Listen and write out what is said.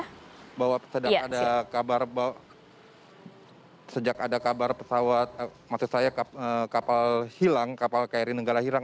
ya bahwa sejak ada kabar pesawat maksud saya kapal hilang kapal kri nenggala hilang